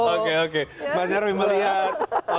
oke oke mas nyarwi melihat